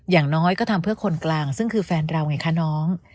อย่างน้อยก็ทำเพื่อคนกลางซึ่งคือแฟนเราไงคะน้อง